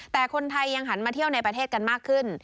แต่คนไทยยังหันมาเที่ยวในประเทศกันมากขึ้น